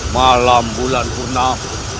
malam bulan purnam